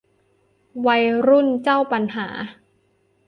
วัยรุ่นเจ้าปัญหา